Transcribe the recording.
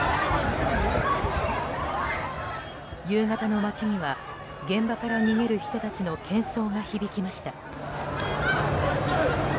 夕方の街には現場から逃げる人たちの喧騒が響きました。